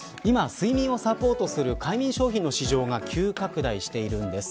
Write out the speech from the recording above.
今、睡眠をサポートする快眠商品の市場が急拡大しているんです。